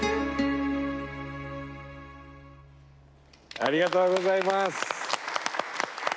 ありがとうございます。